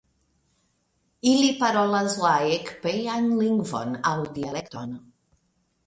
Ili parolas la ekpejan lingvon aŭ dialekton.